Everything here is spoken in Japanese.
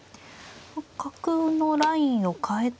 角のラインを変えて。